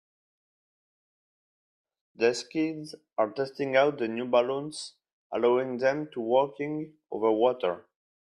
These kids are testing out the new balloons allowing them to walking over water.